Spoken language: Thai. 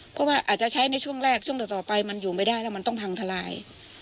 เพราะว่าอาจจะใช้ในช่วงแรกช่วงต่อไปมันอยู่ไม่ได้แล้วมันต้องพังทลาย